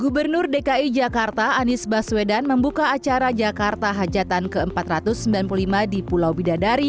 gubernur dki jakarta anies baswedan membuka acara jakarta hajatan ke empat ratus sembilan puluh lima di pulau bidadari